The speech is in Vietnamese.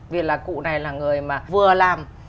vì là cụ này là người mà vừa làm